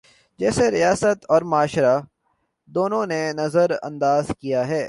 جسے ریاست اور معاشرہ، دونوں نے نظر انداز کیا ہے۔